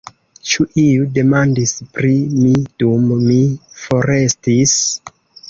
Ĉu iu demandis pri mi dum mi forestis?